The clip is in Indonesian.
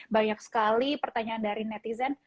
banyak sekali pertanyaan dari netizen